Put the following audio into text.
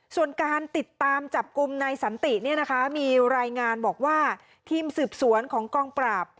ส่วนการติดตามจับกลุ่มนายสันติเนี่ยนะคะมีรายงานบอกว่าทีมสืบสวนของกองปราบ